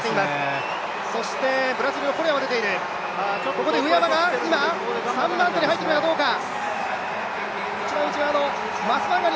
ここで上山が今、３番手に入ってくるかどうか。